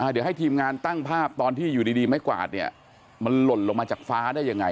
เดี๋ยวให้ทีมงานตั้งภาพตอนที่อยู่ดีไม้กวาดเนี่ยมันหล่นลงมาจากฟ้าได้ยังไง